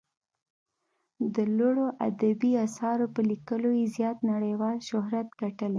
د لوړو ادبي اثارو په لیکلو یې زیات نړیوال شهرت ګټلی.